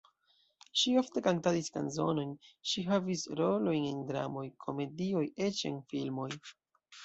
Ŝi ofte kantadis kanzonojn, ŝi havis rolojn en dramoj, komedioj, eĉ en filmoj.